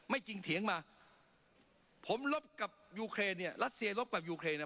จริงเถียงมาผมลบกับยูเครนเนี่ยรัสเซียลบกับยูเครนเนี่ย